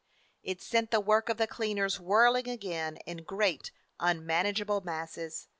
It sent the work of the cleaners whirling again in great unmanageable masses.